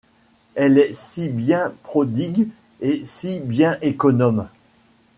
Elle est si bien prodigue et si bien économe